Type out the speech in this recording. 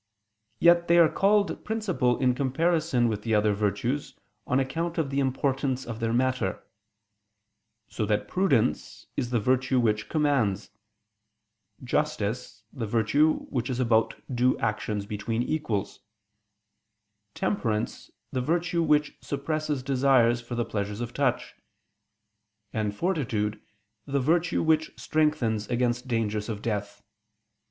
Yet they are called principal in comparison with the other virtues, on account of the importance of their matter: so that prudence is the virtue which commands; justice, the virtue which is about due actions between equals; temperance, the virtue which suppresses desires for the pleasures of touch; and fortitude, the virtue which strengthens against dangers of death.